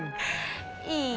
ih bukan idonat tapi